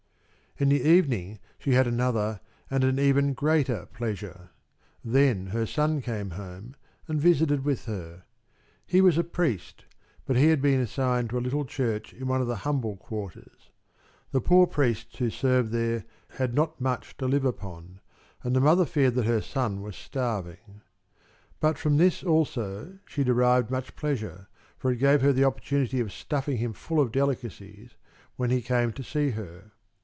In the evening she had another and an even greater pleasure. Then her son came home and visited with her. He was a priest, but he had been assigned to a little church in one of the humble quarters. The poor priests who served there had not much to live upon, and the mother feared that her son was starving. But from this, also, she derived much pleasure, for it gave her the opportunity of stuffing him full of delicacies when he came to see her.